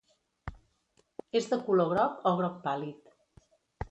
És de color groc o groc pàl·lid.